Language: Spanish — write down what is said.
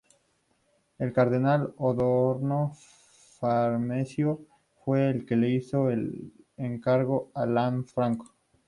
El cardenal Odoardo Farnesio fue el que le hizo el encargo a Lanfranco.